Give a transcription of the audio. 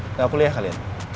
enggak kuliah kalian